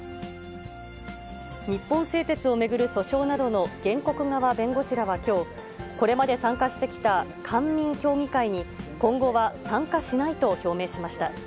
日本製鉄を巡る訴訟などの原告側弁護士らはきょう、これまで参加してきた官民協議会に、今後は参加しないと表明しました。